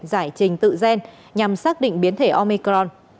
giải trình tự gen nhằm xác định biến thể omicron